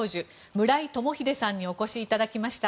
村井友秀さんにお越しいただきました。